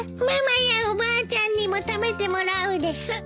ママやおばあちゃんにも食べてもらうです。